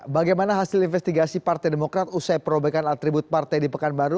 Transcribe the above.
bagaimana hasil investigasi partai demokrat usai perobekan atribut partai di pekanbaru